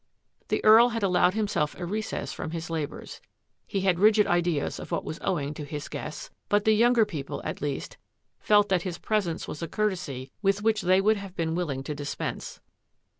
The Earl had allowed himself a recess from his labours. He had rigid ideas of what was owing to his guests, but the younger people, at least, felt that his presence was a courtesy with which they would have been willing to dispense.